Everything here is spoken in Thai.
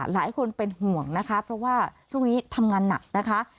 หลายคนเป็นห่วงนะคะเพราะว่าช่วงนี้ทำงานหนักนะคะ